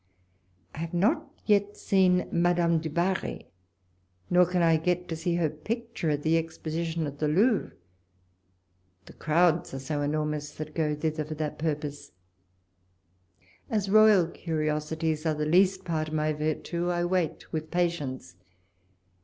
I have not yet seen Madame du Barri, nor can get to see her picture at the exposition at the Louvre, the crowds are so enormous that go thither for that purpose. As royal curiosities are the least part of my virtii^ I wait with patience.